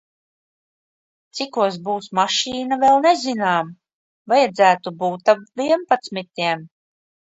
Cikos būs mašīna vēl nezinām, vajadzētu būt ap vienpadsmitiem.